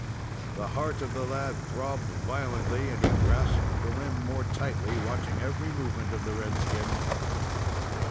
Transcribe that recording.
The heart of the lad throbbed violently, and he grasped the limb more tightly, watching every movement of the red skin.